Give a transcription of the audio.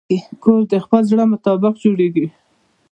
کور د خپل زړه مطابق جوړېږي.